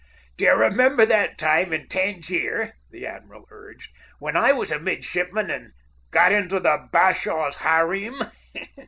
"Do you remember that time in Tangier," the admiral urged, "when I was a midshipman, and got into the bashaw's harem?"